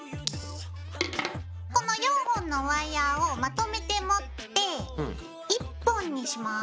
この４本のワイヤーをまとめて持って１本にします。